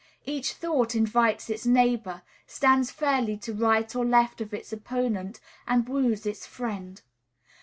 Each thought invites its neighbor, stands fairly to right or left of its opponent, and wooes its friend.